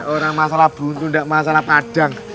orang masalah buntu enggak masalah padang